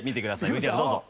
ＶＴＲどうぞ。